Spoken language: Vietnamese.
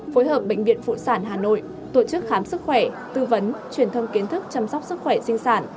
phối hợp bệnh viện phụ sản hà nội tổ chức khám sức khỏe tư vấn truyền thông kiến thức chăm sóc sức khỏe sinh sản